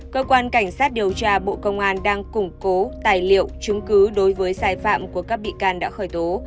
cơ quan cảnh sát điều tra bộ công an đang củng cố tài liệu chứng cứ đối với sai phạm của các bị can đã khởi tố